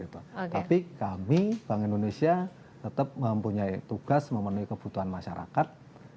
tapi kami bank indonesia tetap mempunyai tugas memenuhi kebutuhan masyarakat